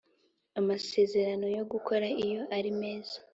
amasezerano yo gukora iyo ari meza